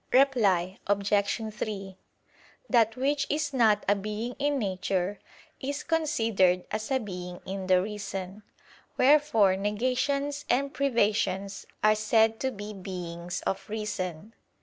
Reply Obj. 3: That which is not a being in nature, is considered as a being in the reason, wherefore negations and privations are said to be "beings of reason."